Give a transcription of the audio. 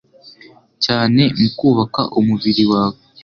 cyane mu kubaka umubiri wawe.